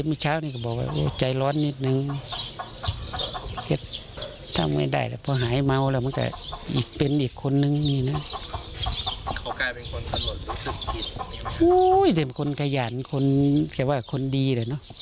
เขากลายเป็นคนขนลดรู้สึกอีกหนึ่งอุ้ยแต่เป็นคนกระหยันคนแค่ว่าคนดีเลยเนอะ